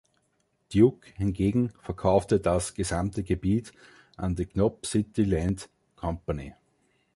Duke hingegen verkaufte das gesamte Gebiet an die Knob City Land Company.